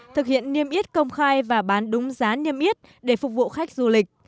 thực hiện niêm yết công khai và bán đúng giá niêm yết để phục vụ khách du lịch